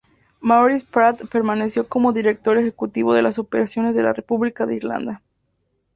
Maurice Pratt permaneció como director ejecutivo de las operaciones de la República de Irlanda.